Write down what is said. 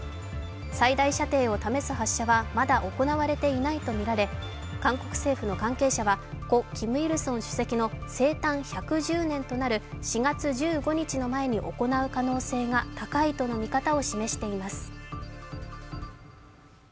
最大射程を試す発射はまだ行われていないとみられ韓国政府の関係者は故キム・イルソン主席の生誕１１０年となる４月１５日の前に行う可能性が高いとの見方を示しています。